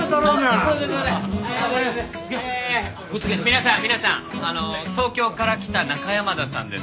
皆さん皆さん東京から来た中山田さんです。